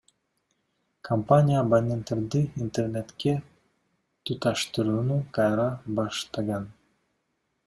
Компания абоненттерди Интернетке туташтырууну кайра баштаган.